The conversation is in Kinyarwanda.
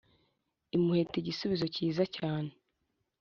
imuheta igisizo cyiza cyane